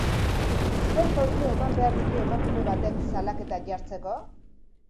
Zer pauso eman behar ditu emakume batek salaketa jartzeko?